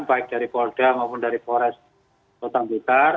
baik dari polda maupun dari forest rotong bitar